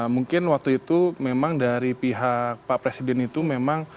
mungkin waktu itu memang dari pihak pak presiden itu memang